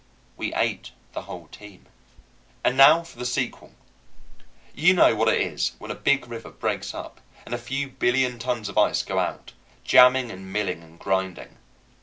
We ate the whole team. And now for the sequel. You know what it is when a big river breaks up and a few billion tons of ice go out, jamming and milling and grinding.